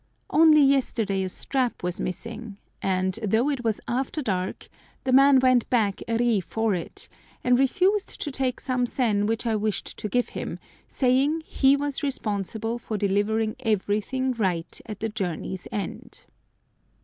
Only yesterday a strap was missing, and, though it was after dark, the man went back a ri for it, and refused to take some sen which I wished to give him, saying he was responsible for delivering everything right at the journey's end.